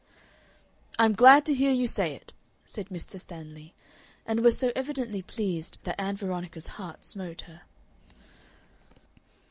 "I'm glad to hear you say it," said Mr. Stanley, and was so evidently pleased that Ann Veronica's heart smote her.